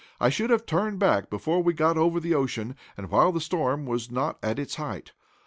I should have turned back before we got over the ocean, and while the storm was not at its height.